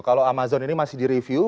kalau amazon ini masih di review